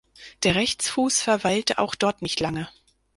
Der Rechtsfuß verweilte auch dort nicht lange.